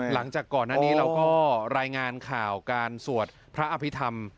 หลังจากก่อนหน้านี้เราก็รายงานข่าวการสวดพระอภิษฐรรม